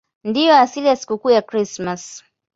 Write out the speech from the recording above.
Ndiyo asili ya sikukuu ya Krismasi.